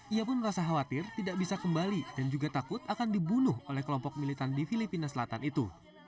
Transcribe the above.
ia pun merasa khawatir tidak bisa kembali dan juga takut akan dibunuh oleh kelompok militan di filipina selatan itu